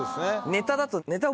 ネタだと。